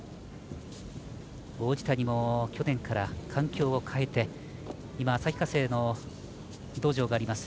王子谷も去年から環境を変えて今、旭化成の道場があります